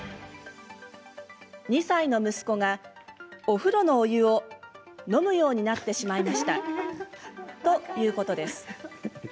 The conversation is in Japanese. ２歳の息子がお風呂のお湯を飲むようになってしまいましたということです。